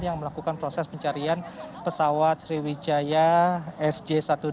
yang melakukan proses pencarian pesawat sriwijaya sj satu ratus delapan puluh